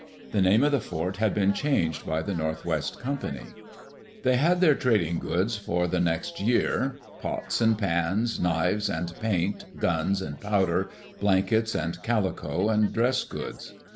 The name of the fort had been changed by the North West Company. They had dieir trading goods for the next year — pots and pans, knives and paint, guns and powder, blankets and calico and dress goods.